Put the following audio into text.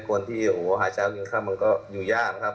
คนที่โอ้โหหาเช้ากินค่ำมันก็อยู่ยากครับ